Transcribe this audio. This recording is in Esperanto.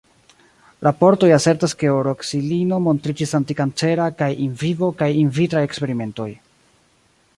Raportoj asertas ke oroksilino montriĝis antikancera kaj in vivo kaj in vitraj eksperimentoj.